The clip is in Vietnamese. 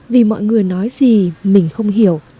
vì mọi người nói gì mình không hiểu